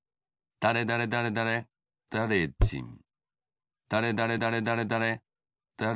だれだれだれだれ